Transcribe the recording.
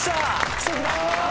奇跡だ。